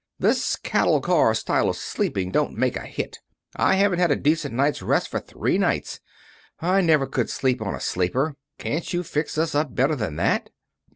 "This cattle car style of sleeping don't make a hit. I haven't had a decent night's rest for three nights. I never could sleep on a sleeper. Can't you fix us up better than that?"